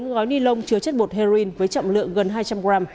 bốn gói ni lông chứa chất bột heroin với trọng lượng gần hai trăm linh g